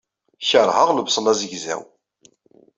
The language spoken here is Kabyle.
Kerheɣ lebṣel azegzaw.